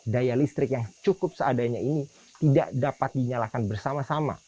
daya listrik yang cukup seadanya ini tidak dapat dinyalakan bersama sama